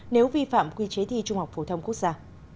nếu vi phạm quy chế thi trung học phổ thông quốc gia